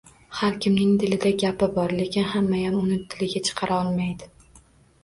Har kimning dilida gapi bor, lekin hammayam uni tiliga chiqara olmaydi.